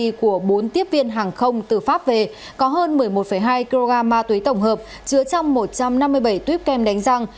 khi của bốn tiếp viên hàng không từ pháp về có hơn một mươi một hai kg ma túy tổng hợp chứa trong một trăm năm mươi bảy tuyếp kem đánh răng